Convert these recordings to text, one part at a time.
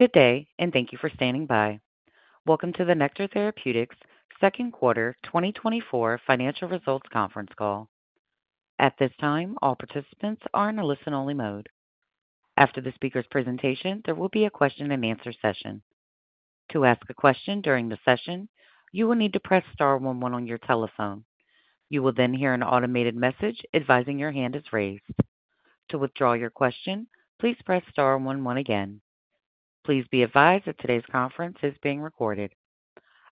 Good day, and thank you for standing by. Welcome to the Nektar Therapeutics Second Quarter 2024 Financial Results Conference Call. At this time, all participants are in a listen-only mode. After the speaker's presentation, there will be a question-and-answer session. To ask a question during the session, you will need to press star one one on your telephone. You will then hear an automated message advising your hand is raised. To withdraw your question, please press star one one again. Please be advised that today's conference is being recorded.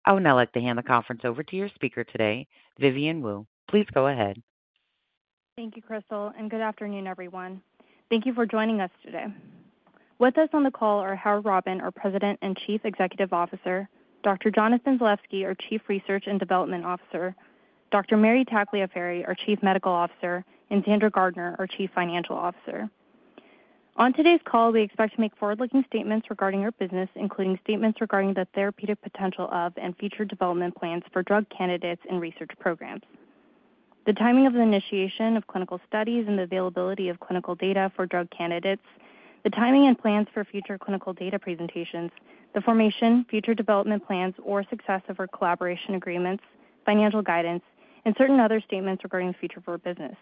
I would now like to hand the conference over to your speaker today, Vivian Wu. Please go ahead. Thank you, Crystal, and good afternoon, everyone. Thank you for joining us today. With us on the call are Howard Robin, our President and Chief Executive Officer, Dr. Jonathan Zalevsky, our Chief Research and Development Officer, Dr. Mary Tagliaferri, our Chief Medical Officer, and Sandra Gardiner, our Chief Financial Officer. On today's call, we expect to make forward-looking statements regarding our business, including statements regarding the therapeutic potential of and future development plans for drug candidates and research programs, the timing of the initiation of clinical studies, and the availability of clinical data for drug candidates, the timing and plans for future clinical data presentations, the formation, future development plans, or success of our collaboration agreements, financial guidance, and certain other statements regarding the future of our business.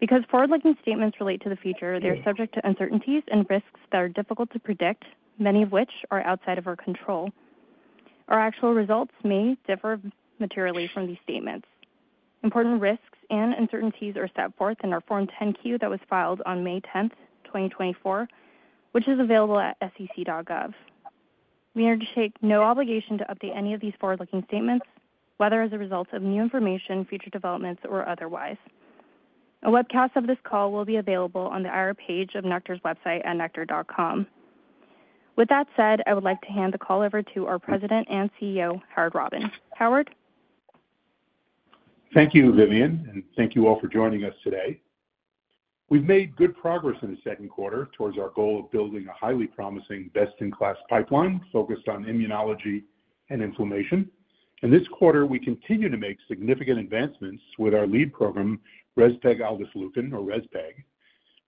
Because forward-looking statements relate to the future, they are subject to uncertainties and risks that are difficult to predict, many of which are outside of our control. Our actual results may differ materially from these statements. Important risks and uncertainties are set forth in our Form 10-Q that was filed on May 10, 2024, which is available at sec.gov. We are to take no obligation to update any of these forward-looking statements, whether as a result of new information, future developments, or otherwise. A webcast of this call will be available on the IR page of Nektar's website at nektar.com. With that said, I would like to hand the call over to our President and CEO, Howard Robin. Howard? Thank you, Vivian, and thank you all for joining us today. We've made good progress in the second quarter towards our goal of building a highly promising, best-in-class pipeline focused on immunology and inflammation. In this quarter, we continue to make significant advancements with our lead program, rezpegaldesleukin or Rezpeg.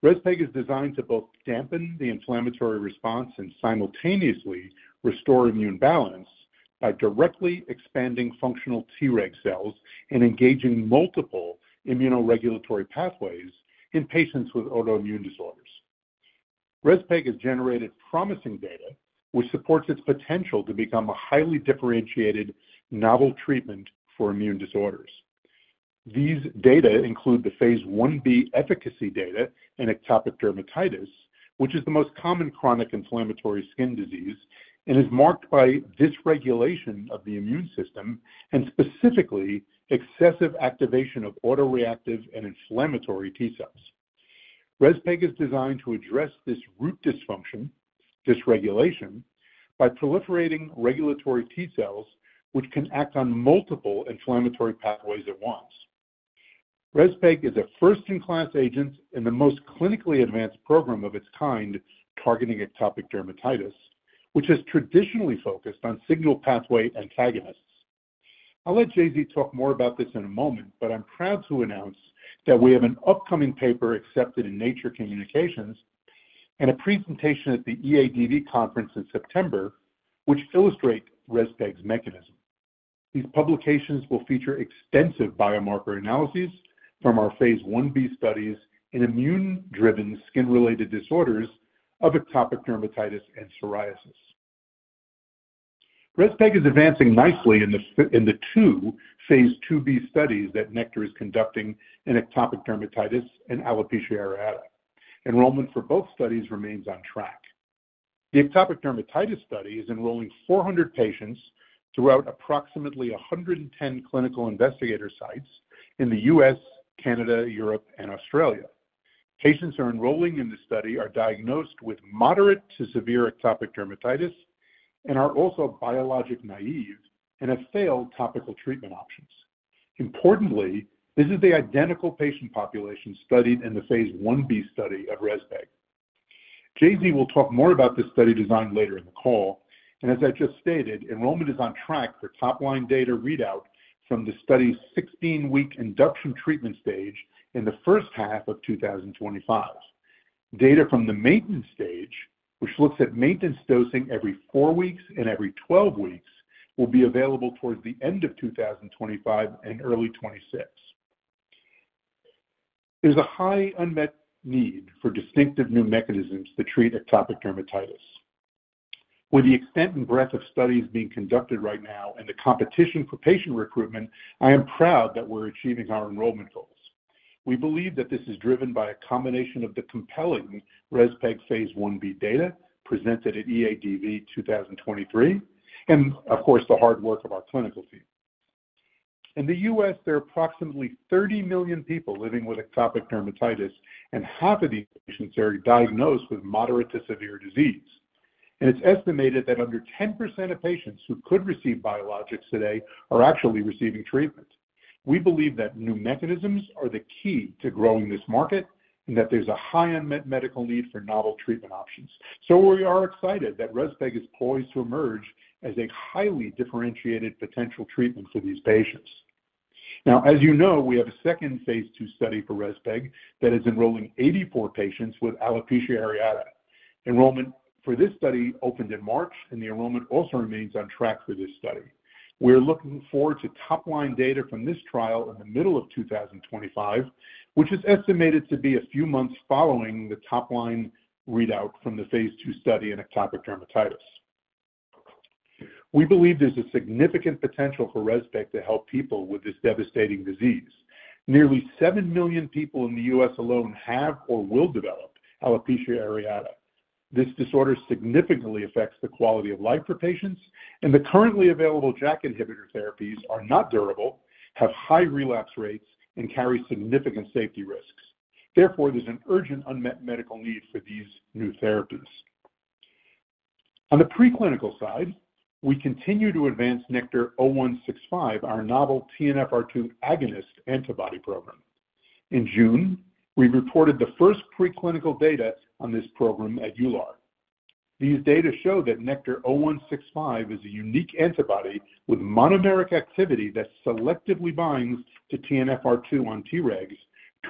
Rezpeg is designed to both dampen the inflammatory response and simultaneously restore immune balance by directly expanding functional Treg cells and engaging multiple immunoregulatory pathways in patients with autoimmune disorders. Rezpeg has generated promising data, which supports its potential to become a highly differentiated novel treatment for immune disorders. These data include the phase I-B efficacy data in atopic dermatitis, which is the most common chronic inflammatory skin disease and is marked by dysregulation of the immune system and specifically excessive activation of autoreactive and inflammatory T cells. Rezpeg is designed to address this root dysfunction, dysregulation, by proliferating regulatory T cells, which can act on multiple inflammatory pathways at once. Rezpeg is a first-in-class agent and the most clinically advanced program of its kind, targeting atopic dermatitis, which has traditionally focused on signal pathway antagonists. I'll let JZ talk more about this in a moment, but I'm proud to announce that we have an upcoming paper accepted in Nature Communications and a presentation at the EADV conference in September, which illustrate Rezpeg's mechanism. These publications will feature extensive biomarker analyses from our phase I-B studies in immune-driven skin-related disorders of atopic dermatitis and psoriasis. Rezpeg is advancing nicely in the two phase II-B studies that Nektar is conducting in atopic dermatitis and alopecia areata. Enrollment for both studies remains on track. The atopic dermatitis study is enrolling 400 patients throughout approximately 110 clinical investigator sites in the U.S., Canada, Europe, and Australia. Patients who are enrolling in this study are diagnosed with moderate to severe atopic dermatitis and are also biologic naive and have failed topical treatment options. Importantly, this is the identical patient population studied in the phase I-B study of rezpeg. JZ will talk more about this study design later in the call, and as I just stated, enrollment is on track for top-line data readout from the study's 16-week induction treatment stage in the first half of 2025. Data from the maintenance stage, which looks at maintenance dosing every 4 weeks and every 12 weeks, will be available towards the end of 2025 and early 2026. There's a high unmet need for distinctive new mechanisms to treat atopic dermatitis. With the extent and breadth of studies being conducted right now and the competition for patient recruitment, I am proud that we're achieving our enrollment goals. We believe that this is driven by a combination of the compelling Rezpeg phase I-B data presented at EADV 2023, and of course, the hard work of our clinical team. In the U.S., there are approximately 30 million people living with atopic dermatitis, and half of these patients are diagnosed with moderate to severe disease. It's estimated that under 10% of patients who could receive biologics today are actually receiving treatment. We believe that new mechanisms are the key to growing this market and that there's a high unmet medical need for novel treatment options. So we are excited that Rezpeg is poised to emerge as a highly differentiated potential treatment for these patients. Now, as you know, we have a second phase II study for Rezpeg that is enrolling 84 patients with alopecia areata. Enrollment for this study opened in March, and the enrollment also remains on track for this study. We're looking forward to top-line data from this trial in the middle of 2025, which is estimated to be a few months following the top-line readout from the phase II study in atopic dermatitis. We believe there's a significant potential for Rezpeg to help people with this devastating disease. Nearly 7 million people in the U.S. alone have or will develop alopecia areata. This disorder significantly affects the quality of life for patients, and the currently available JAK inhibitor therapies are not durable, have high relapse rates, and carry significant safety risks. Therefore, there's an urgent unmet medical need for these new therapies. On the preclinical side, we continue to advance NKTR-0165, our novel TNFR2 agonist antibody program. In June, we reported the first preclinical data on this program at EULAR. These data show that NKTR-0165 is a unique antibody with monomeric activity that selectively binds to TNFR2 on Tregs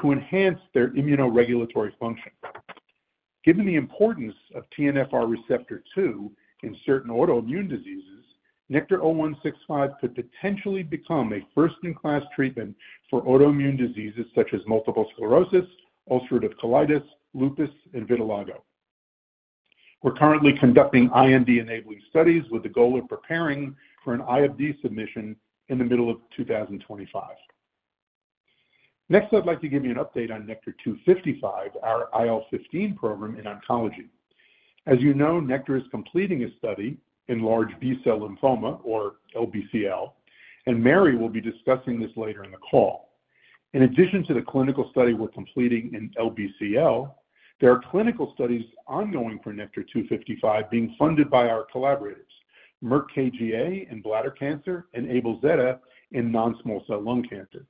to enhance their immunoregulatory function. Given the importance of TNFR receptor two in certain autoimmune diseases, NKTR-0165 could potentially become a first-in-class treatment for autoimmune diseases such as multiple sclerosis, ulcerative colitis, lupus, and vitiligo. We're currently conducting IND-enabling studies with the goal of preparing for an IND submission in the middle of 2025. Next, I'd like to give you an update on NKTR-255, our IL-15 program in oncology. As you know, NKTR-255 is completing a study in large B-cell lymphoma, or LBCL, and Mary will be discussing this later in the call. In addition to the clinical study we're completing in LBCL, there are clinical studies ongoing for NKTR-255 being funded by our collaborators, Merck KGaA in bladder cancer and AbelZeta in non-small cell lung cancer.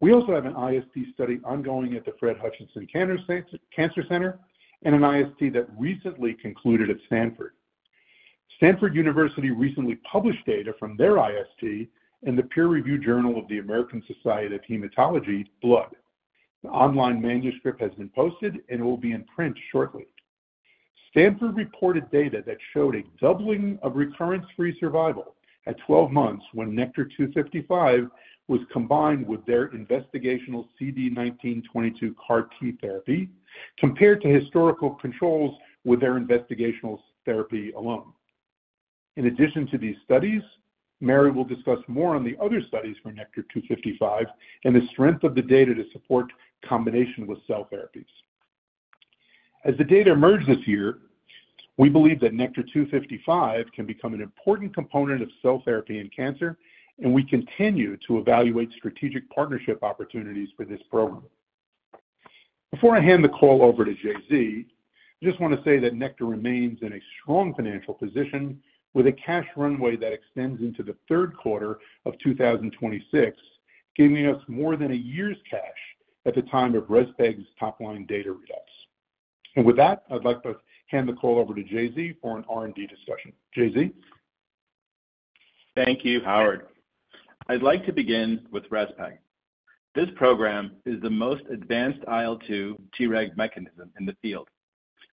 We also have an IST study ongoing at the Fred Hutchinson Cancer Center, and an IST that recently concluded at Stanford. Stanford University recently published data from their IST in the peer-reviewed Journal of the American Society of Hematology, Blood. The online manuscript has been posted and will be in print shortly. Stanford reported data that showed a doubling of recurrence-free survival at 12 months when NKTR-255 was combined with their investigational CD19/22 CAR T therapy, compared to historical controls with their investigational therapy alone. In addition to these studies, Mary will discuss more on the other studies for NKTR-255 and the strength of the data to support combination with cell therapies. As the data emerge this year, we believe that NKTR-255 can become an important component of cell therapy in cancer, and we continue to evaluate strategic partnership opportunities for this program. Before I hand the call over to JZ, I just want to say that Nektar remains in a strong financial position with a cash runway that extends into the third quarter of 2026, giving us more than a year's cash at the time of Respeg's top-line data readouts. With that, I'd like to hand the call over to JZ for an R&D discussion. JZ? Thank you, Howard. I'd like to begin with Rezpeg. This program is the most advanced IL-2 Treg mechanism in the field.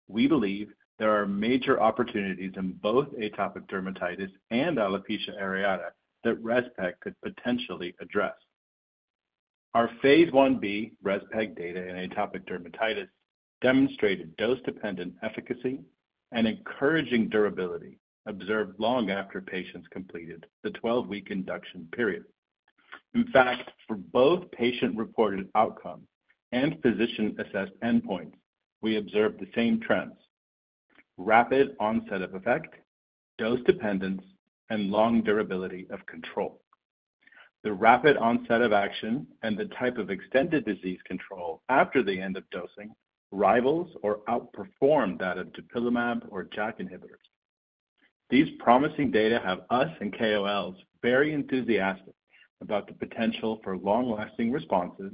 We believe there are major opportunities in both atopic dermatitis and alopecia areata that Rezpeg could potentially address. Our phase I-B Rezpeg data in atopic dermatitis demonstrated dose-dependent efficacy and encouraging durability observed long after patients completed the 12-week induction period. In fact, for both patient-reported outcome and physician-assessed endpoints, we observed the same trends: rapid onset of effect, dose dependence, and long durability of control. The rapid onset of action and the type of extended disease control after the end of dosing rivals or outperformed that of dupilumab or JAK inhibitors. These promising data have us and KOLs very enthusiastic about the potential for long-lasting responses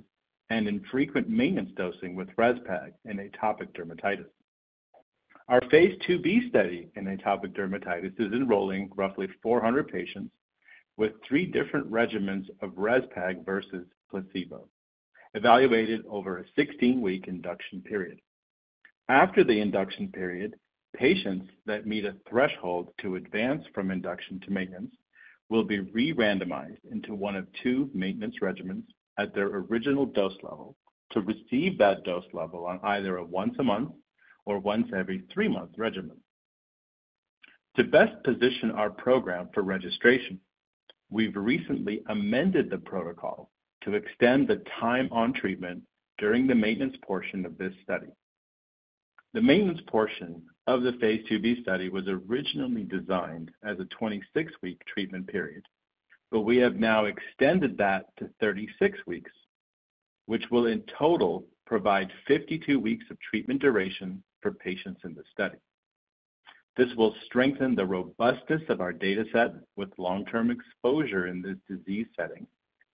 and infrequent maintenance dosing with Rezpeg in atopic dermatitis. Our phase II-B study in atopic dermatitis is enrolling roughly 400 patients with three different regimens of Rezpeg versus placebo, evaluated over a 16-week induction period. After the induction period, patients that meet a threshold to advance from induction to maintenance will be re-randomized into one of two maintenance regimens at their original dose level to receive that dose level on either a once-a-month or once every 3-month regimen. To best position our program for registration, we've recently amended the protocol to extend the time on treatment during the maintenance portion of this study. The maintenance portion of the phase II-B study was originally designed as a 26-week treatment period, but we have now extended that to 36 weeks, which will in total provide 52 weeks of treatment duration for patients in the study. This will strengthen the robustness of our data set with long-term exposure in this disease setting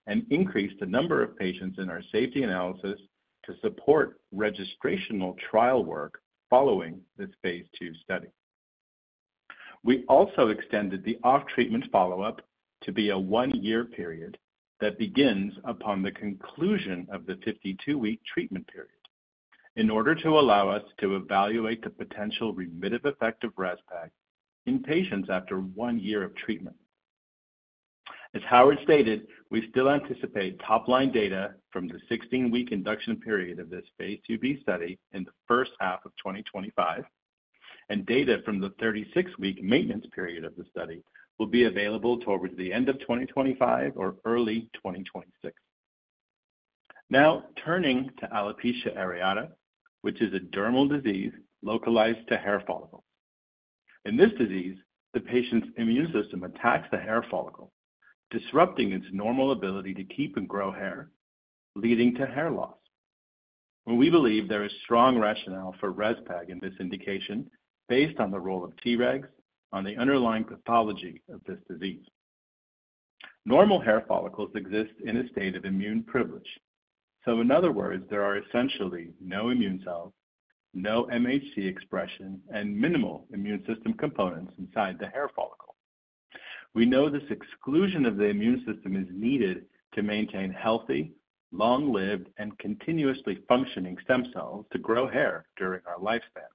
and increase the number of patients in our safety analysis to support registrational trial work following this phase II study. We also extended the off-treatment follow-up to be a 1-year period that begins upon the conclusion of the 52-week treatment period, in order to allow us to evaluate the potential remittive effect of Rezpeg in patients after 1 year of treatment. As Howard stated, we still anticipate top-line data from the 16-week induction period of this phase II-B study in the first half of 2025, and data from the 36-week maintenance period of the study will be available towards the end of 2025 or early 2026. Now, turning to alopecia areata, which is a dermal disease localized to hair follicles. In this disease, the patient's immune system attacks the hair follicle, disrupting its normal ability to keep and grow hair, leading to hair loss. We believe there is strong rationale for Rezpeg in this indication, based on the role of Tregs on the underlying pathology of this disease. Normal hair follicles exist in a state of immune privilege. So in other words, there are essentially no immune cells, no MHC expression, and minimal immune system components inside the hair follicle. We know this exclusion of the immune system is needed to maintain healthy, long-lived, and continuously functioning stem cells to grow hair during our lifespans.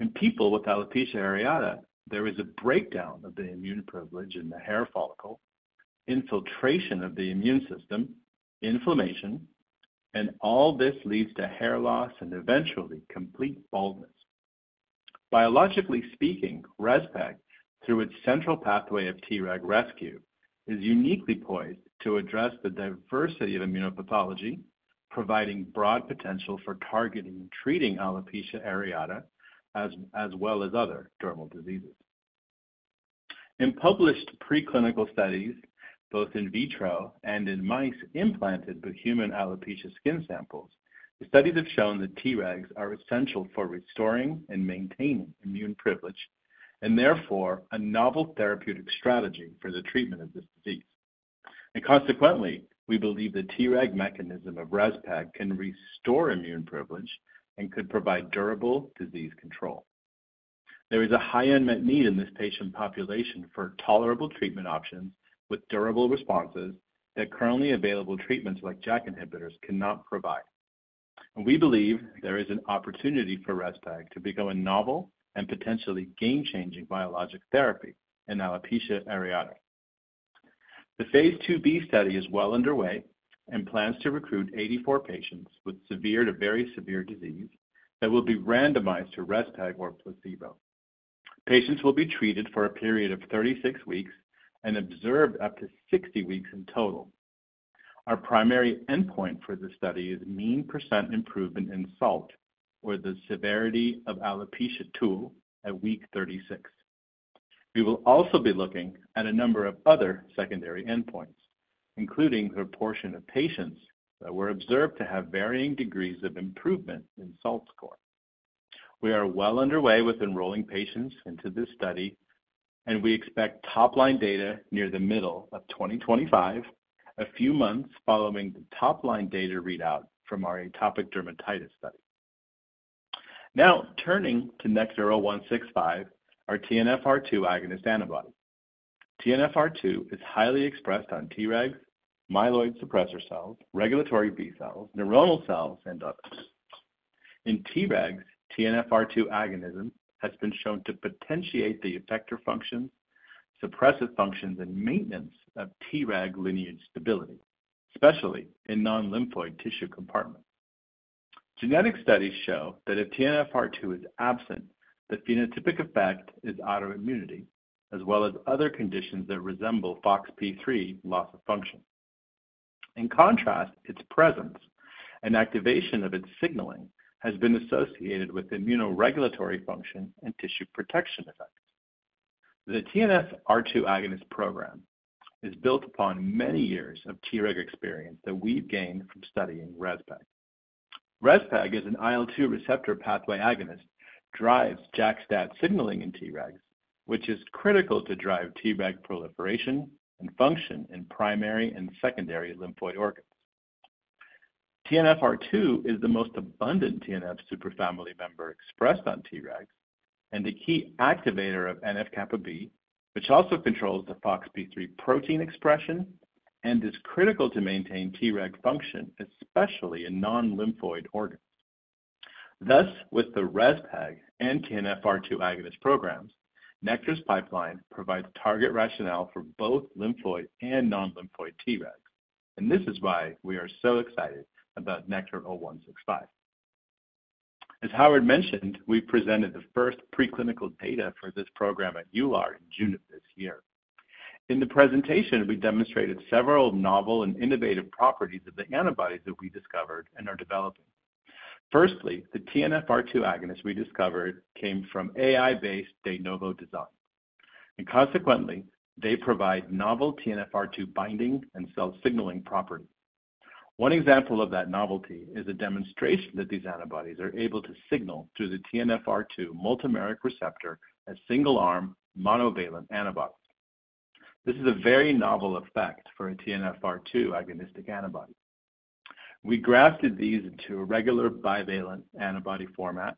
In people with alopecia areata, there is a breakdown of the immune privilege in the hair follicle, infiltration of the immune system, inflammation, and all this leads to hair loss and eventually complete baldness. Biologically speaking, Rezpeg, through its central pathway of Treg rescue, is uniquely poised to address the diversity of immunopathology, providing broad potential for targeting and treating alopecia areata, as well as other dermal diseases. In published preclinical studies, both in vitro and in mice implanted with human alopecia skin samples, the studies have shown that Tregs are essential for restoring and maintaining immune privilege, and therefore, a novel therapeutic strategy for the treatment of this disease. Consequently, we believe the Treg mechanism of Rezpeg can restore immune privilege and could provide durable disease control. There is a high unmet need in this patient population for tolerable treatment options with durable responses that currently available treatments like JAK inhibitors cannot provide. We believe there is an opportunity for Rezpeg to become a novel and potentially game-changing biologic therapy in alopecia areata. The phase II-B study is well underway and plans to recruit 84 patients with severe to very severe disease that will be randomized to Rezpeg or placebo. Patients will be treated for a period of 36 weeks and observed up to 60 weeks in total. Our primary endpoint for this study is mean % improvement in SALT, or the Severity of Alopecia Tool, at week 36. We will also be looking at a number of other secondary endpoints, including the proportion of patients that were observed to have varying degrees of improvement in SALT score. We are well underway with enrolling patients into this study, and we expect top-line data near the middle of 2025, a few months following the top-line data readout from our atopic dermatitis study. Now, turning to NKTR-0165, our TNFR2 agonist antibody. TNFR2 is highly expressed on Tregs, myeloid suppressor cells, regulatory B cells, neuronal cells, and others. In Tregs, TNFR2 agonism has been shown to potentiate the effector function, suppressive functions, and maintenance of Treg lineage stability, especially in non-lymphoid tissue compartments. Genetic studies show that if TNFR2 is absent, the phenotypic effect is autoimmunity, as well as other conditions that resemble FoxP3 loss of function. In contrast, its presence and activation of its signaling has been associated with immunoregulatory function and tissue protection effects. The TNFR2 agonist program is built upon many years of Treg experience that we've gained from studying Rezpeg. Rezpeg is an IL-2 receptor pathway agonist, drives JAK-STAT signaling in Tregs, which is critical to drive Treg proliferation and function in primary and secondary lymphoid organs. TNFR2 is the most abundant TNF superfamily member expressed on Tregs and the key activator of NF-kappa B, which also controls the FOXP3 protein expression and is critical to maintain Treg function, especially in non-lymphoid organs. Thus, with the Rezpeg and TNFR2 agonist programs, Nektar's pipeline provides target rationale for both lymphoid and non-lymphoid Tregs, and this is why we are so excited about NKTR-0165. As Howard mentioned, we presented the first preclinical data for this program at EULAR in June of this year. In the presentation, we demonstrated several novel and innovative properties of the antibodies that we discovered and are developing. Firstly, the TNFR2 agonists we discovered came from AI-based de novo design, and consequently, they provide novel TNFR2 binding and cell signaling properties. One example of that novelty is a demonstration that these antibodies are able to signal through the TNFR2 multimeric receptor as single-arm, monovalent antibodies. This is a very novel effect for a TNFR2 agonistic antibody. We grafted these into a regular bivalent antibody format,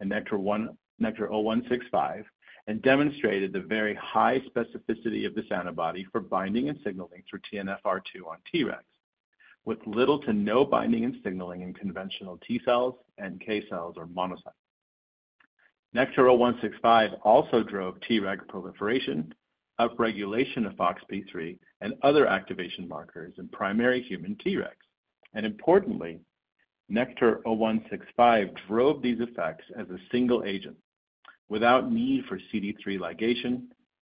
in NKTR-0165, and demonstrated the very high specificity of this antibody for binding and signaling through TNFR2 on Tregs, with little to no binding and signaling in conventional T cells and NK cells or monocytes. NKTR-0165 also drove Treg proliferation, upregulation of FoxP3, and other activation markers in primary human Tregs. Importantly, NKTR-0165 drove these effects as a single agent, without need for CD3 ligation,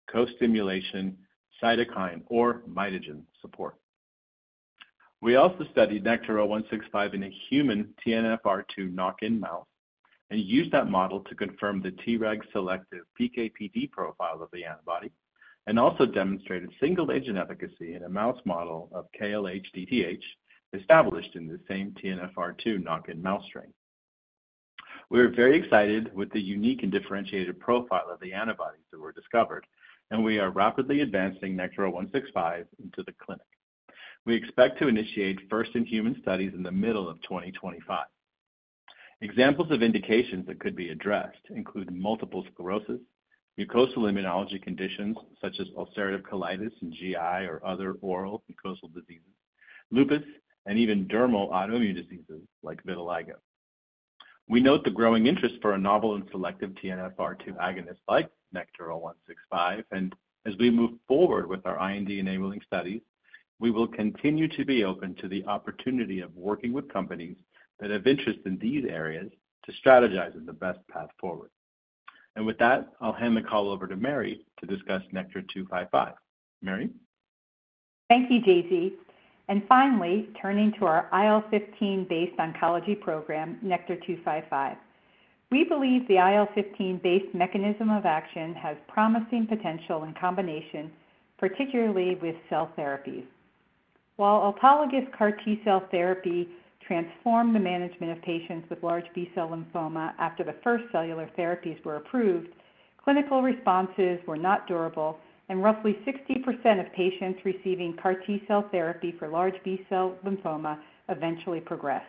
co-stimulation, cytokine, or mitogen support. We also studied NKTR-0165 in a human TNFR2 knock-in mouse and used that model to confirm the Treg selective PK/PD profile of the antibody, and also demonstrated single-agent efficacy in a mouse model of KLH DTH, established in the same TNFR2 knock-in mouse strain. We are very excited with the unique and differentiated profile of the antibodies that were discovered, and we are rapidly advancing NKTR-0165 into the clinic. We expect to initiate first-in-human studies in the middle of 2025. Examples of indications that could be addressed include multiple sclerosis, mucosal immunology conditions, such as ulcerative colitis and GI or other oral mucosal diseases, lupus, and even dermal autoimmune diseases like vitiligo. We note the growing interest for a novel and selective TNFR2 agonist like NKTR-0165, and as we move forward with our IND-enabling studies, we will continue to be open to the opportunity of working with companies that have interest in these areas to strategize on the best path forward. With that, I'll hand the call over to Mary to discuss NKTR-255. Mary? Thank you, JZ. And finally, turning to our IL-15-based oncology program, NKTR-255. We believe the IL-15-based mechanism of action has promising potential in combination, particularly with cell therapies. While autologous CAR T-cell therapy transformed the management of patients with large B-cell lymphoma after the first cellular therapies were approved, clinical responses were not durable, and roughly 60% of patients receiving CAR T-cell therapy for large B-cell lymphoma eventually progressed.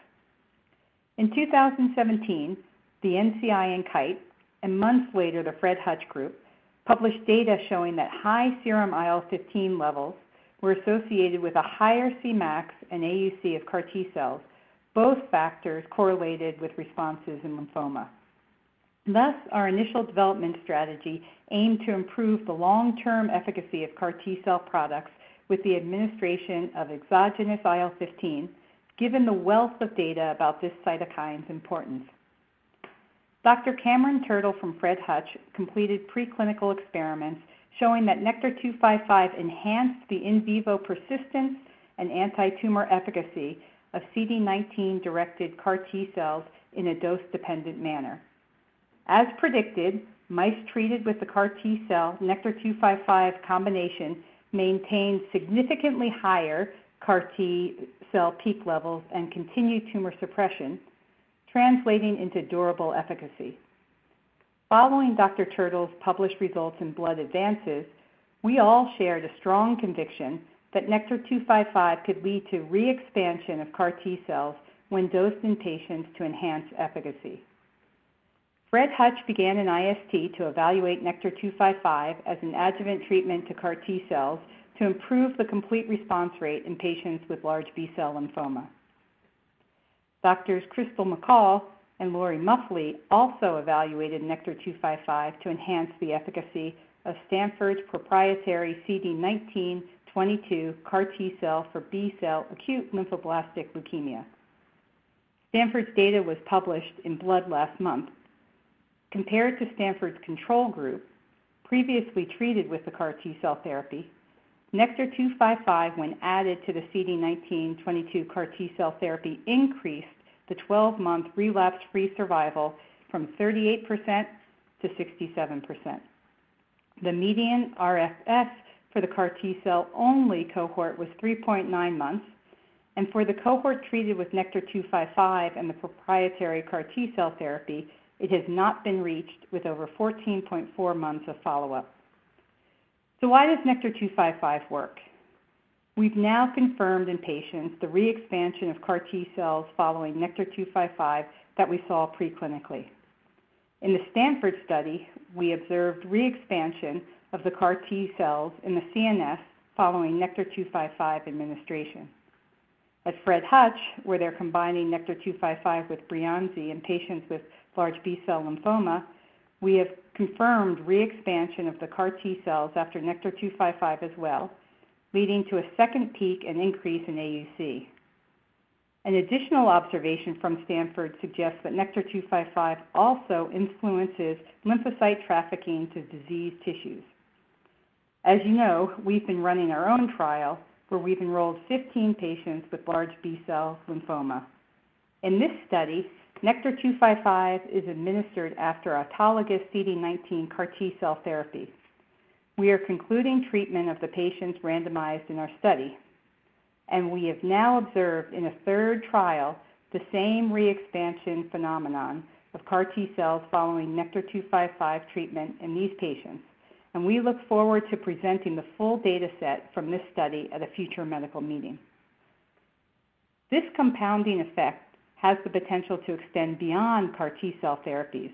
In 2017, the NCI and Kite, and months later, the Fred Hutch group, published data showing that high serum IL-15 levels were associated with a higher Cmax and AUC of CAR T cells, both factors correlated with responses in lymphoma. Thus, our initial development strategy aimed to improve the long-term efficacy of CAR T-cell products with the administration of exogenous IL-15, given the wealth of data about this cytokine's importance. Dr. Cameron Turtle from Fred Hutch completed preclinical experiments showing that NKTR-255 enhanced the in vivo persistence and antitumor efficacy of CD19-directed CAR T cells in a dose-dependent manner. As predicted, mice treated with the CAR T cell NKTR-255 combination maintained significantly higher CAR T cell peak levels and continued tumor suppression, translating into durable efficacy. Following Dr. Turtle's published results in Blood Advances, we all shared a strong conviction that NKTR-255 could lead to re-expansion of CAR T cells when dosed in patients to enhance efficacy. Fred Hutch began an IST to evaluate NKTR-255 as an adjuvant treatment to CAR T cells to improve the complete response rate in patients with large B-cell lymphoma. Doctors Crystal Mackall and Lori Muffly also evaluated NKTR-255 to enhance the efficacy of Stanford's proprietary CD19/22 CAR T cell for B-cell acute lymphoblastic leukemia. Stanford's data was published in Blood last month. Compared to Stanford's control group, previously treated with the CAR T cell therapy, NKTR-255, when added to the CD19/22 CAR T cell therapy, increased the 12-month relapse-free survival from 38% to 67%. The median RFS for the CAR T cell-only cohort was 3.9 months, and for the cohort treated with NKTR-255 and the proprietary CAR T cell therapy, it has not been reached with over 14.4 months of follow-up. So why does NKTR-255 work? We've now confirmed in patients the re-expansion of CAR T cells following NKTR-255 that we saw pre-clinically. In the Stanford study, we observed re-expansion of the CAR T cells in the CNS following NKTR-255 administration. At Fred Hutch, where they're combining NKTR-255 with Breyanzi in patients with large B-cell lymphoma, we have confirmed re-expansion of the CAR T cells after NKTR-255 as well, leading to a second peak and increase in AUC. An additional observation from Stanford suggests that NKTR-255 also influences lymphocyte trafficking to diseased tissues. As you know, we've been running our own trial, where we've enrolled 15 patients with large B-cell lymphoma. In this study, NKTR-255 is administered after autologous CD19 CAR T-cell therapy. We are concluding treatment of the patients randomized in our study, and we have now observed in a third trial the same re-expansion phenomenon of CAR T cells following NKTR-255 treatment in these patients, and we look forward to presenting the full data set from this study at a future medical meeting. This compounding effect has the potential to extend beyond CAR T cell therapies.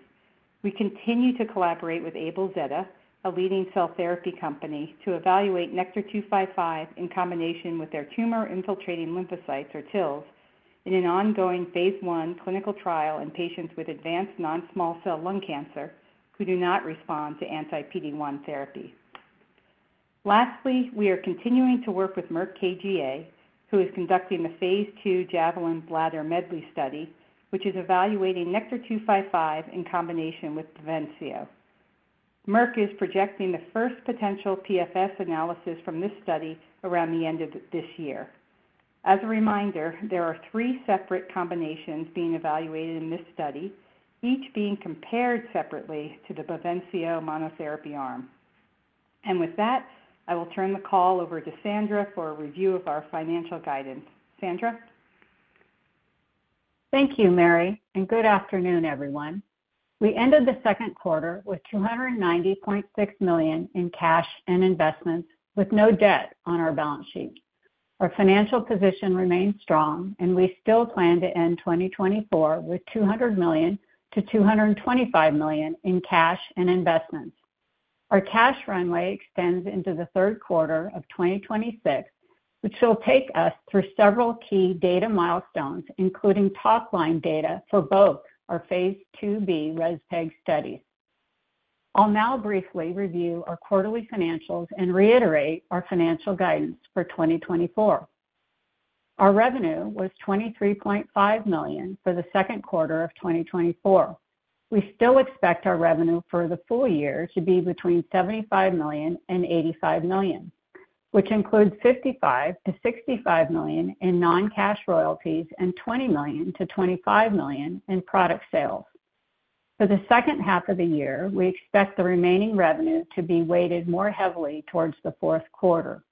We continue to collaborate with AbelZeta, a leading cell therapy company, to evaluate NKTR-255 in combination with their tumor-infiltrating lymphocytes, or TILs, in an ongoing phase I clinical trial in patients with advanced non-small cell lung cancer who do not respond to anti-PD-1 therapy. Lastly, we are continuing to work with Merck KGaA, who is conducting the phase II Javelin Bladder MEDLEY study, which is evaluating NKTR-255 in combination with Bavencio. Merck is projecting the first potential PFS analysis from this study around the end of this year. As a reminder, there are three separate combinations being evaluated in this study, each being compared separately to the Bavencio monotherapy arm. With that, I will turn the call over to Sandra for a review of our financial guidance. Sandra? Thank you, Mary, and good afternoon, everyone. We ended the second quarter with $290.6 million in cash and investments, with no debt on our balance sheet. Our financial position remains strong, and we still plan to end 2024 with $200 million-$225 million in cash and investments. Our cash runway extends into the third quarter of 2026, which will take us through several key data milestones, including top-line data for both our phase II-B rezpeg studies. I'll now briefly review our quarterly financials and reiterate our financial guidance for 2024. Our revenue was $23.5 million for the second quarter of 2024. We still expect our revenue for the full year to be between $75 million and $85 million, which includes $55 million-$65 million in non-cash royalties and $20 million-$25 million in product sales. For the second half of the year, we expect the remaining revenue to be weighted more heavily towards the fourth quarter.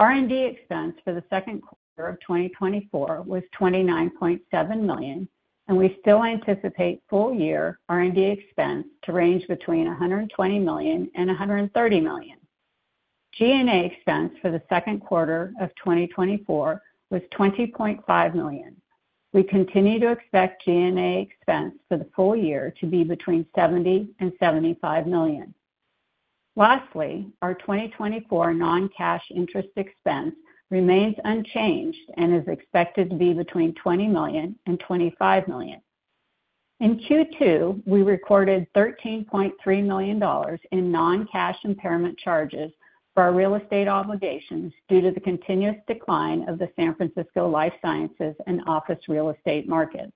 R&D expense for the second quarter of 2024 was $29.7 million, and we still anticipate full year R&D expense to range between $120 million and $130 million. G&A expense for the second quarter of 2024 was $20.5 million. We continue to expect G&A expense for the full year to be between $70 million and $75 million. Lastly, our 2024 non-cash interest expense remains unchanged and is expected to be between $20 million and $25 million. In Q2, we recorded $13.3 million in non-cash impairment charges for our real estate obligations due to the continuous decline of the San Francisco life sciences and office real estate markets.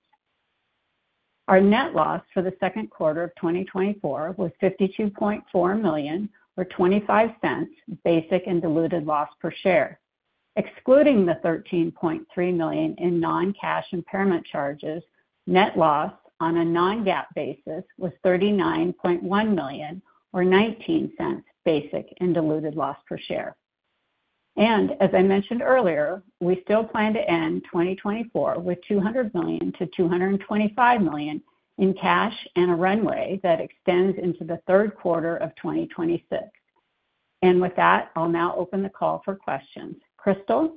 Our net loss for the second quarter of 2024 was $52.4 million, or $0.25 basic and diluted loss per share. Excluding the $13.3 million in non-cash impairment charges, net loss on a non-GAAP basis was $39.1 million, or $0.19 basic and diluted loss per share. As I mentioned earlier, we still plan to end 2024 with $200 million-$225 million in cash and a runway that extends into the third quarter of 2026. With that, I'll now open the call for questions. Crystal?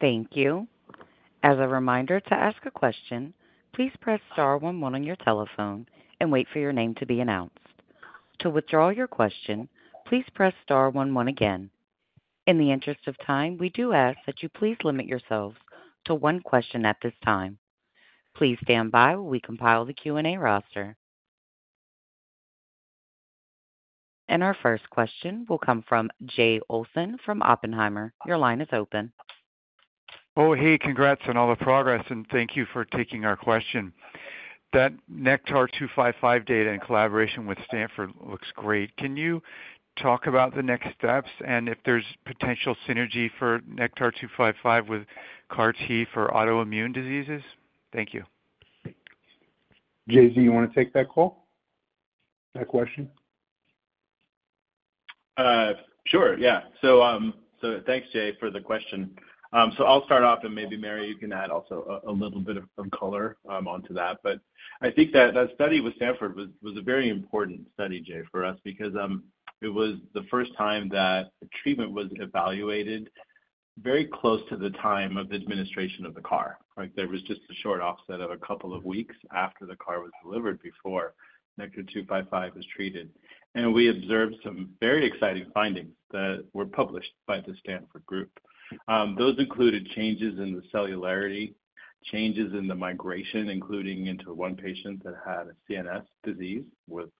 Thank you. As a reminder, to ask a question, please press star one one on your telephone and wait for your name to be announced. To withdraw your question, please press star one one again. In the interest of time, we do ask that you please limit yourselves to one question at this time. Please stand by while we compile the Q&A roster. And our first question will come from Jay Olsen from Oppenheimer. Your line is open. Oh, hey, congrats on all the progress, and thank you for taking our question. That NKTR-255 data in collaboration with Stanford looks great. Can you talk about the next steps and if there's potential synergy for NKTR-255 with CAR T for autoimmune diseases? Thank you. JZ, do you want to take that call, that question? Sure, yeah. So, thanks, Jay, for the question. So I'll start off and maybe, Mary, you can add also a little bit of color onto that. But I think that study with Stanford was a very important study, Jay, for us, because it was the first time that treatment was evaluated very close to the time of administration of the CAR. Like, there was just a short offset of a couple of weeks after the CAR was delivered, before NKTR-255 was treated. And we observed some very exciting findings that were published by the Stanford group. Those included changes in the cellularity, changes in the migration, including into one patient that had a CNS disease, with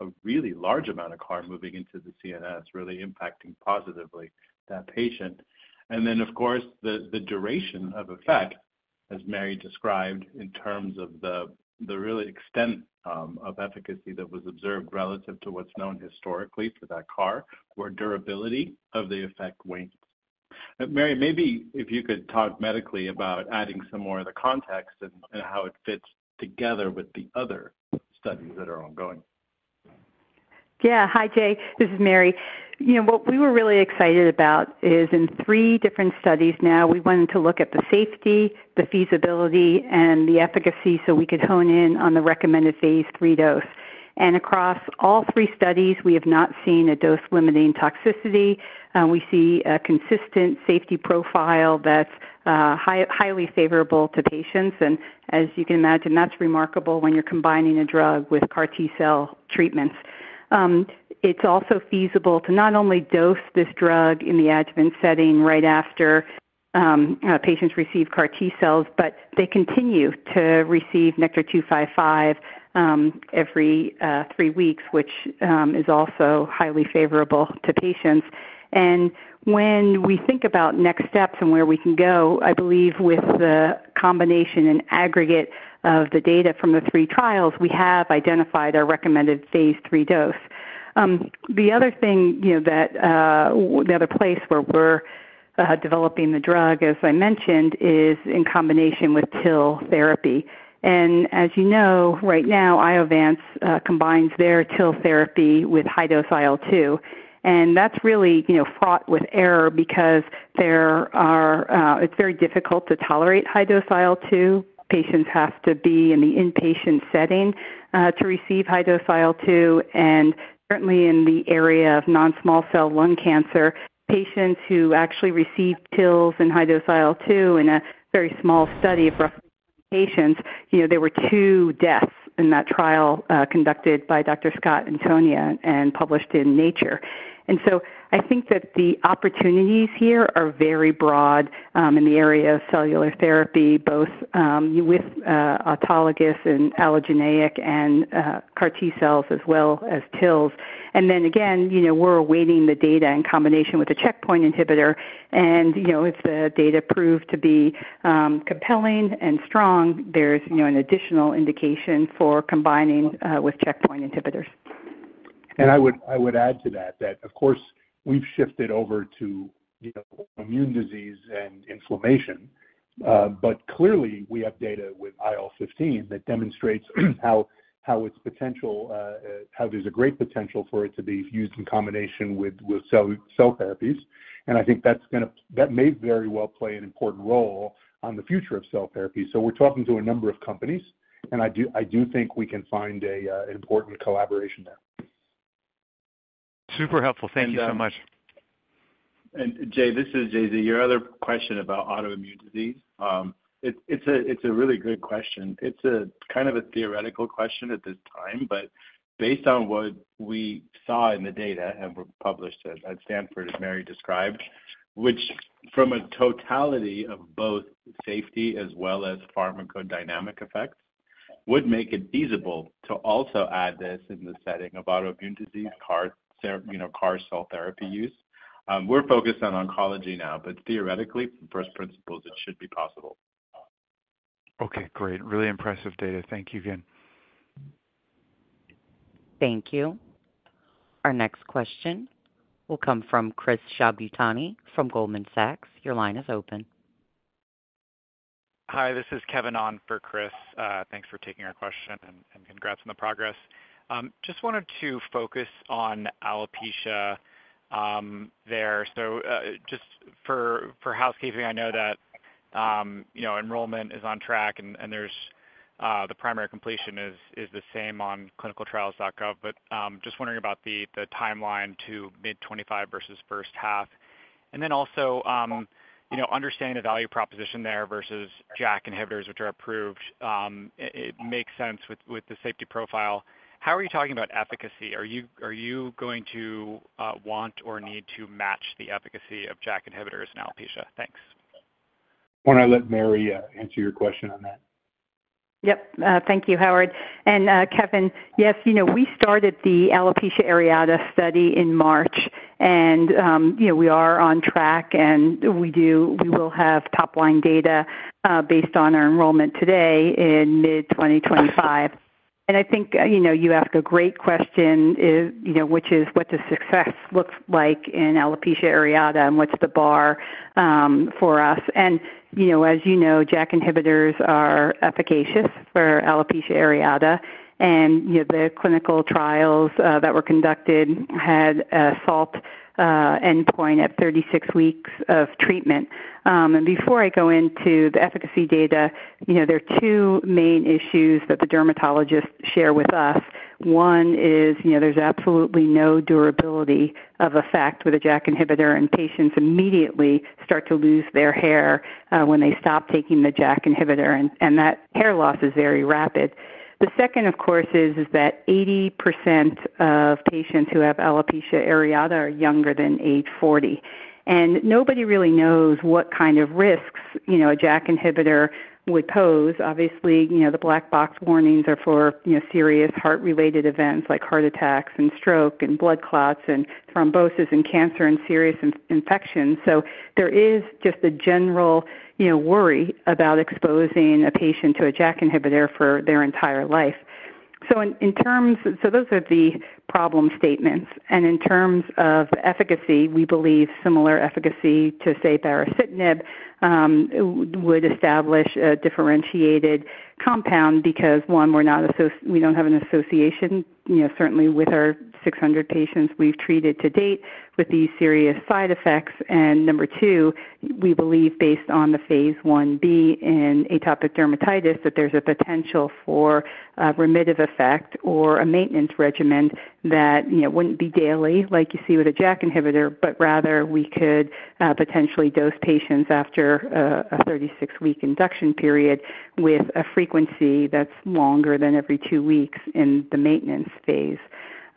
a really large amount of CAR moving into the CNS, really impacting positively that patient. Then, of course, the duration of effect, as Mary described, in terms of the real extent of efficacy that was observed relative to what's known historically for that CAR, where durability of the effect wanes. Mary, maybe if you could talk medically about adding some more of the context and how it fits together with the other studies that are ongoing.... Yeah. Hi, Jay, this is Mary. You know, what we were really excited about is in three different studies now, we wanted to look at the safety, the feasibility, and the efficacy, so we could hone in on the recommended phase III dose. And across all three studies, we have not seen a dose-limiting toxicity. We see a consistent safety profile that's highly favorable to patients, and as you can imagine, that's remarkable when you're combining a drug with CAR T-cell treatments. It's also feasible to not only dose this drug in the adjuvant setting right after patients receive CAR T-cells, but they continue to receive NKTR-255 every three weeks, which is also highly favorable to patients. And when we think about next steps and where we can go, I believe with the combination and aggregate of the data from the 3 trials, we have identified our recommended phase III dose. The other thing, you know, that, the other place where we're developing the drug, as I mentioned, is in combination with TIL therapy. And as you know, right now, Iovance combines their TIL therapy with high-dose IL-2, and that's really, you know, fraught with error because there are... It's very difficult to tolerate high-dose IL-2. Patients have to be in the inpatient setting to receive high-dose IL-2. And currently, in the area of non-small cell lung cancer, patients who actually received TILs and high-dose IL-2 in a very small study of roughly patients, you know, there were 2 deaths in that trial conducted by Dr. Scott Antonia and published in Nature. And so I think that the opportunities here are very broad, in the area of cellular therapy, both with autologous and allogeneic and CAR T-cells as well as TILs. And then again, you know, we're awaiting the data in combination with the checkpoint inhibitor, and, you know, if the data prove to be compelling and strong, there's, you know, an additional indication for combining with checkpoint inhibitors. I would add to that that of course we've shifted over to, you know, immune disease and inflammation, but clearly we have data with IL-15 that demonstrates how its potential, how there's a great potential for it to be used in combination with cell therapies. And I think that's gonna—that may very well play an important role on the future of cell therapy. So we're talking to a number of companies, and I do think we can find an important collaboration there. Super helpful. Thank you so much. Jay, this is JZ. Your other question about autoimmune disease, it's a really good question. It's a kind of a theoretical question at this time, but based on what we saw in the data and were published at Stanford, as Mary described, which from a totality of both safety as well as pharmacodynamic effects, would make it feasible to also add this in the setting of autoimmune disease, CAR cell therapy use. You know, we're focused on oncology now, but theoretically, first principles, it should be possible. Okay, great. Really impressive data. Thank you again. Thank you. Our next question will come from Chris Shibutani from Goldman Sachs. Your line is open. Hi, this is Kevin on for Chris. Thanks for taking our question and congrats on the progress. Just wanted to focus on alopecia there. So, just for housekeeping, I know that you know, enrollment is on track and there's the primary completion is the same on clinicaltrials.gov, but just wondering about the timeline to mid-2025 versus first half. And then also, you know, understanding the value proposition there versus JAK inhibitors, which are approved, it makes sense with the safety profile. How are you talking about efficacy? Are you going to want or need to match the efficacy of JAK inhibitors in alopecia? Thanks. Why don't I let Mary answer your question on that? Yep. Thank you, Howard and Kevin. Yes, you know, we started the alopecia areata study in March, and you know, we are on track, and we do—we will have top-line data based on our enrollment today in mid-2025. And I think, you know, you ask a great question, is you know, which is what does success looks like in alopecia areata and what's the bar for us? And you know, as you know, JAK inhibitors are efficacious for alopecia areata. And you know, the clinical trials that were conducted had a SALT endpoint at 36 weeks of treatment. And before I go into the efficacy data, you know, there are two main issues that the dermatologists share with us. One is, you know, there's absolutely no durability of effect with a JAK inhibitor, and patients immediately start to lose their hair when they stop taking the JAK inhibitor, and that hair loss is very rapid. The second, of course, is that 80% of patients who have alopecia areata are younger than age 40, and nobody really knows what kind of risks, you know, a JAK inhibitor would pose. Obviously, you know, the black box warnings are for, you know, serious heart-related events like heart attacks and stroke and blood clots and thrombosis and cancer and serious infections. So there is just a general, you know, worry about exposing a patient to a JAK inhibitor for their entire life. So those are the problem statements. In terms of efficacy, we believe similar efficacy to, say, baricitinib would establish a differentiated compound because, one, we don't have an association, you know, certainly with our 600 patients we've treated to date, with these serious side effects. And number two, we believe based on the phase I-B in atopic dermatitis, that there's a potential for remittive effect or a maintenance regimen that, you know, wouldn't be daily, like you see with a JAK inhibitor, but rather we could potentially dose patients after a 36-week induction period with a frequency that's longer than every 2 weeks in the maintenance phase.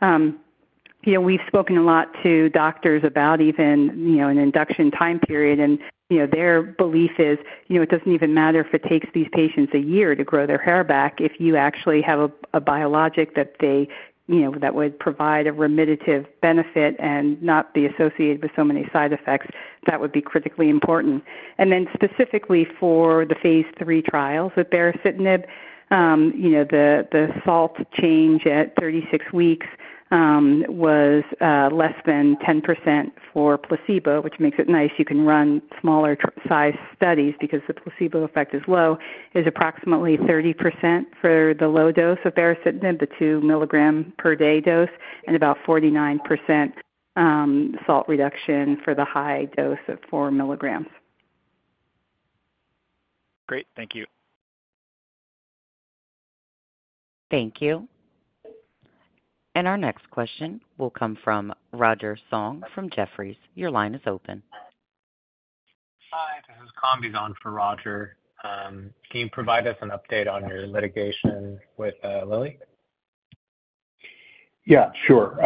You know, we've spoken a lot to doctors about even, you know, an induction time period, and, you know, their belief is, you know, it doesn't even matter if it takes these patients a year to grow their hair back. If you actually have a, a biologic that they, you know, that would provide a remittive benefit and not be associated with so many side effects, that would be critically important. And then specifically for the phase III trials with baricitinib, you know, the, the SALT change at 36 weeks was less than 10% for placebo, which makes it nice. You can run smaller trial size studies because the placebo effect is low, is approximately 30% for the low dose of baricitinib, the 2 milligram per day dose, and about 49%, um, SALT reduction for the high dose of 4 milligrams. Great. Thank you. Thank you. Our next question will come from Roger Song from Jefferies. Your line is open. Hi, this is Kombi on for Roger. Can you provide us an update on your litigation with Lilly? Yeah, sure.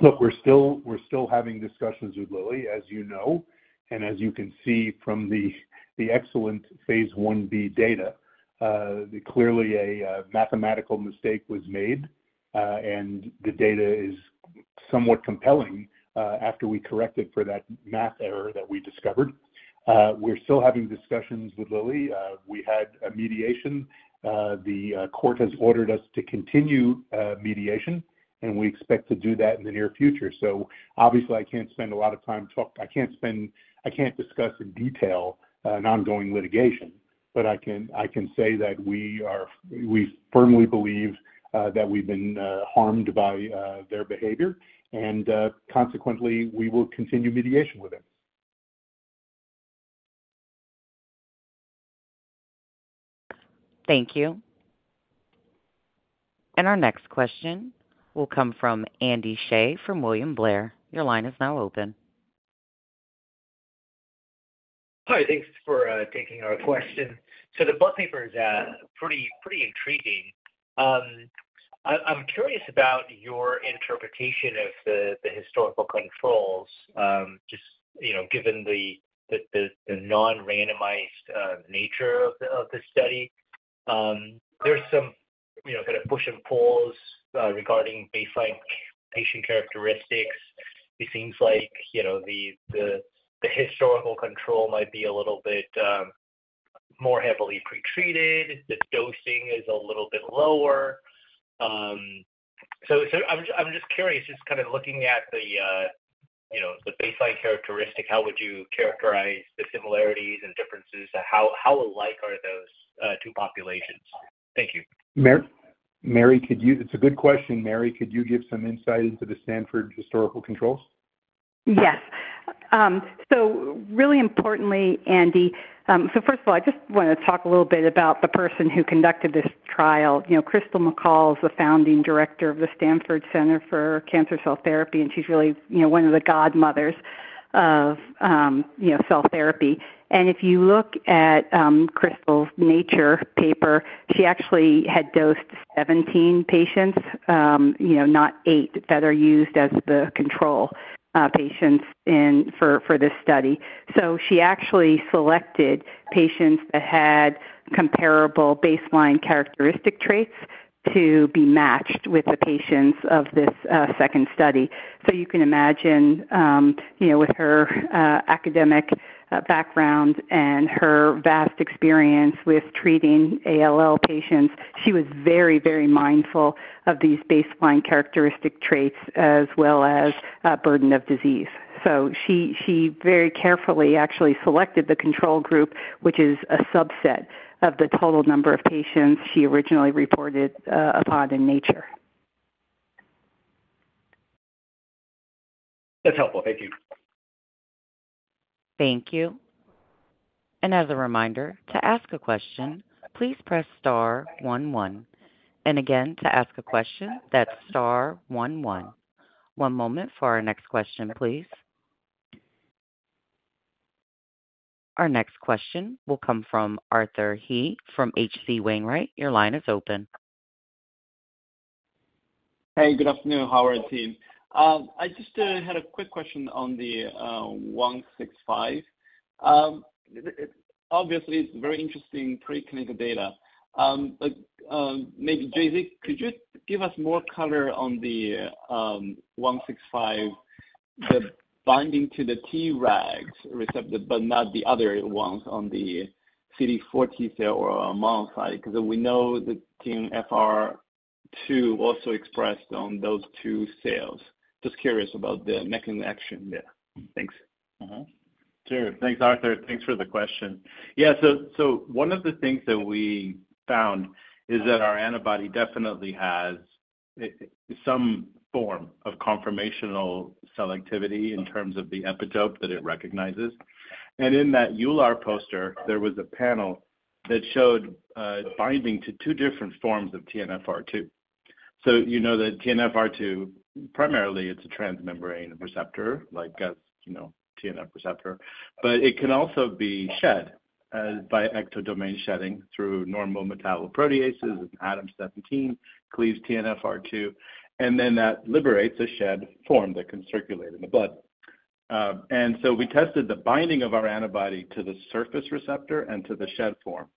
Look, we're still having discussions with Lilly, as you know, and as you can see from the excellent phase data. Clearly a mathematical mistake was made, and the data is somewhat compelling after we corrected for that math error that we discovered. We're still having discussions with Lilly. We had a mediation. The court has ordered us to continue mediation, and we expect to do that in the near future. So obviously, I can't spend a lot of time. I can't discuss in detail an ongoing litigation, but I can say that we firmly believe that we've been harmed by their behavior, and consequently, we will continue mediation with them. Thank you. Our next question will come from Andy Hsieh, from William Blair. Your line is now open. Hi, thanks for taking our question. So the Blood paper is pretty intriguing. I'm curious about your interpretation of the historical controls, just, you know, given the non-randomized nature of the study. There's some, you know, kind of push and pulls regarding baseline patient characteristics. It seems like, you know, the historical control might be a little bit more heavily pretreated, the dosing is a little bit lower. So I'm just curious, just kind of looking at the baseline characteristic, how would you characterize the similarities and differences? How alike are those two populations? Thank you. Mary, could you... It's a good question, Mary. Could you give some insight into the Stanford historical controls? Yes. So really importantly, Andy, so first of all, I just want to talk a little bit about the person who conducted this trial. You know, Crystal Mackall is the founding director of the Stanford Center for Cancer Cell Therapy, and she's really, you know, one of the godmothers of, you know, cell therapy. And if you look at, Crystal's Nature paper, she actually had dosed 17 patients, you know, not 8, that are used as the control patients in for this study. So she actually selected patients that had comparable baseline characteristic traits to be matched with the patients of this second study. So you can imagine, you know, with her academic background and her vast experience with treating ALL patients, she was very, very mindful of these baseline characteristic traits as well as burden of disease. So she very carefully actually selected the control group, which is a subset of the total number of patients she originally reported upon in Nature. That's helpful. Thank you. Thank you. As a reminder, to ask a question, please press star one, one. Again, to ask a question, that's star one, one. One moment for our next question, please. Our next question will come from Arthur He from H.C. Wainwright. Your line is open. Hey, good afternoon, Howard team. I just had a quick question on the 165. Obviously, it's very interesting preclinical data. But maybe, JZ, could you give us more color on the one six five, the binding to the Tregs receptor, but not the other ones on the CD4 T cell or monocyte? Because we know the TNFR2 also expressed on those two cells. Just curious about the mechanism there. Thanks. Mm-hmm. Sure. Thanks, Arthur. Thanks for the question. Yeah, so, so one of the things that we found is that our antibody definitely has some form of conformational selectivity in terms of the epitope that it recognizes. And in that EULAR poster, there was a panel that showed binding to two different forms of TNFR2. So you know that TNFR2, primarily, it's a transmembrane receptor, like as, you know, TNF receptor, but it can also be shed by ectodomain shedding through normal metalloproteases. ADAM17 cleaves TNFR2, and then that liberates a shed form that can circulate in the blood. And so we tested the binding of our antibody to the surface receptor and to the shed form,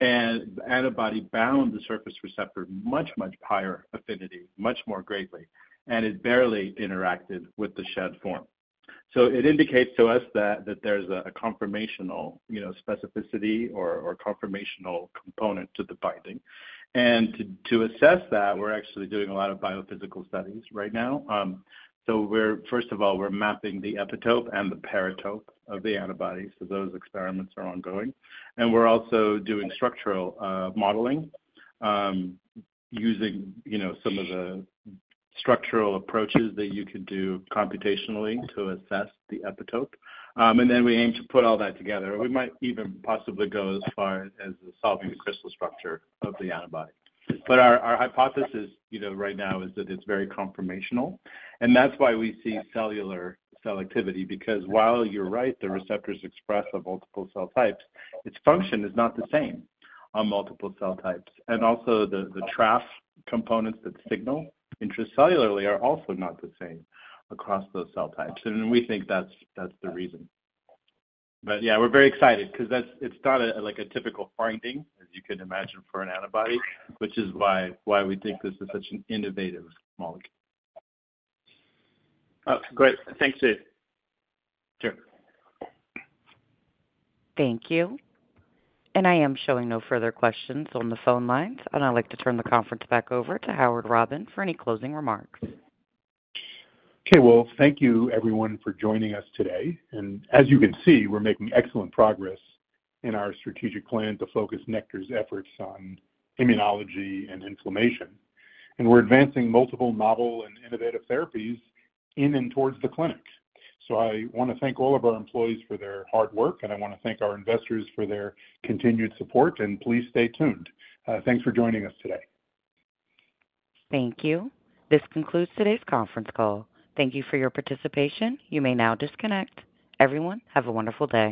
and the antibody bound the surface receptor much, much higher affinity, much more greatly, and it barely interacted with the shed form. So it indicates to us that there's a conformational, you know, specificity or conformational component to the binding. And to assess that, we're actually doing a lot of biophysical studies right now. First of all, we're mapping the epitope and the paratope of the antibody, so those experiments are ongoing. And we're also doing structural modeling using, you know, some of the structural approaches that you could do computationally to assess the epitope. And then we aim to put all that together. We might even possibly go as far as solving the crystal structure of the antibody. But our hypothesis, you know, right now is that it's very conformational, and that's why we see cellular selectivity, because while you're right, the receptors express on multiple cell types, its function is not the same on multiple cell types. Also, the TRAF components that signal intracellularly are also not the same across those cell types, and we think that's the reason. But yeah, we're very excited 'cause that's. It's not like a typical finding, as you can imagine, for an antibody, which is why we think this is such an innovative molecule. Oh, great. Thanks. Sure. Thank you. I am showing no further questions on the phone lines, and I'd like to turn the conference back over to Howard Robin for any closing remarks. Okay, well, thank you everyone for joining us today, and as you can see, we're making excellent progress in our strategic plan to focus Nektar's efforts on immunology and inflammation, and we're advancing multiple novel and innovative therapies in and towards the clinic. So I want to thank all of our employees for their hard work, and I want to thank our investors for their continued support. Please stay tuned. Thanks for joining us today. Thank you. This concludes today's conference call. Thank you for your participation. You may now disconnect. Everyone, have a wonderful day.